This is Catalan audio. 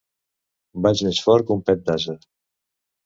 Vaig més fort que un pet d'ase!